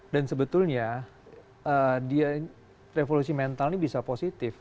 sebetulnya revolusi mental ini bisa positif